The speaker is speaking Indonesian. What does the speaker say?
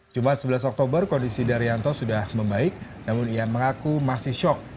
jumat sebelas oktober kondisi daryanto sudah membaik namun ia mengaku masih shock